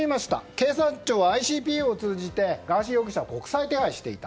警察庁はＩＣＰＯを通じてガーシー容疑者を国際手配していた。